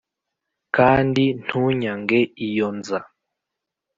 kandi ntunyange iyo nza